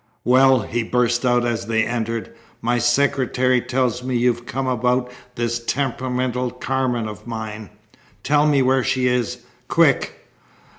"Well!" he burst out as they entered. "My secretary tells me you've come about this temperamental Carmen of mine. Tell me where she is. Quick!"